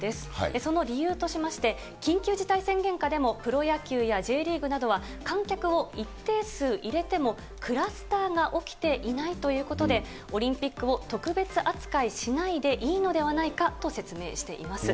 その理由としまして、緊急事態宣言下でも、プロ野球やＪリーグなどは、観客を一定数入れてもクラスターが起きていないということで、オリンピックを特別扱いしないでいいのではないかと説明しています。